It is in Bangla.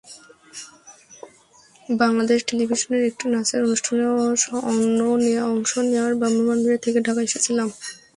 বাংলাদেশ টেলিভিশনের একটি নাচের অনুষ্ঠানে অংশ নেওয়ার জন্য ব্রাহ্মণবাড়িয়া থেকে ঢাকায় এসেছিলাম।